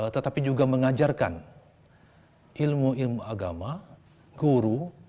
tetapi juga mengajarkan ilmu ilmu agama guru